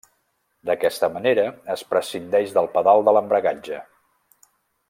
D'aquesta manera es prescindeix del pedal de l'embragatge.